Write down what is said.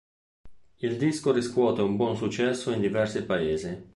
Il disco riscuote un buon successo in diversi paesi.